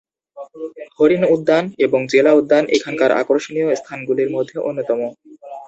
হরিণ উদ্যান এবং জেলা উদ্যান এখানকার আকর্ষণীয় স্থানগুলির মধ্যে অন্যতম।